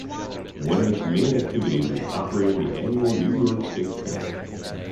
One of its main activities is operating the annual New York State Fair.